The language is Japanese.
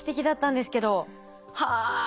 はあ。